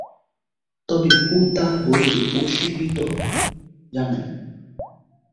তবে, পো তা বলতে অস্বীকৃতি জানায়।